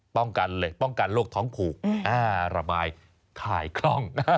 ป้องกันเลยป้องกันโรคท้องผูกอ้าระบายถ่ายคล่อง